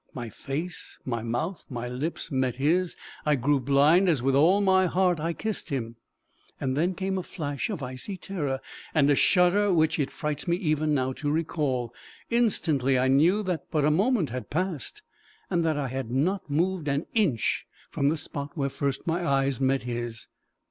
my face, my mouth, my lips met his. I grew blind as with all my heart I kissed him. Then came a flash of icy terror, and a shudder which it frights me even now to recall. Instantly I knew that but a moment had passed, and that I had not moved an inch from the spot where first my eyes met his.